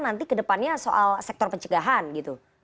nanti kedepannya soal sektor pencegahan gitu